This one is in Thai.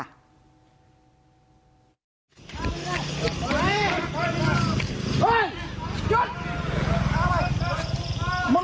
สวัสดีครับทุกคน